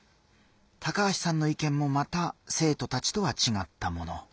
高橋さんの意見もまた生徒たちとは違ったもの。